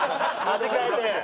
味変えて。